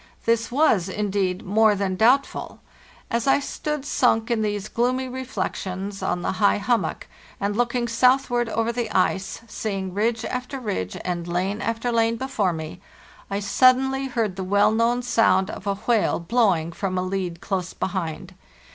This was, indeed, more than doubtful... . As I stood sunk in these gloomy reflections on the high hummock, and looking southward over the ice, seeing ridge after ridge and lane after lane before me, I sud denly heard the well known sound of a whale blowing from a lead close behind.